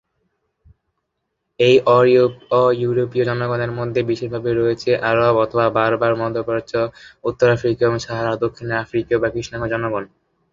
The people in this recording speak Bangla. এই অ-ইউরোপীয় জনগণের মধ্যে বিশেষভাবে রয়েছে আরব/বার্বার মধ্যপ্রাচ্য, উত্তর আফ্রিকীয় এবং সাহারার দক্ষিণের আফ্রিকীয় বা কৃষ্ণাঙ্গ জনগণ।